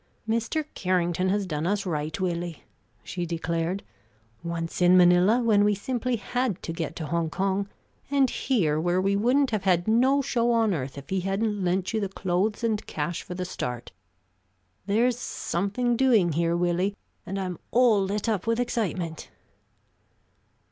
"Mr. Carrington has done us right, Willie," she declared; "once in Manila, when we simply had to get to Hong Kong; and here, where we wouldn't have had no show on earth if he hadn't lent you the clothes and cash for the start. There's something doing here, Willie; and I'm all lit up with excitement."